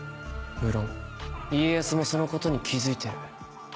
無論家康もそのことに気付いてる。